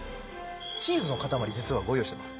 チーズの塊実はご用意してます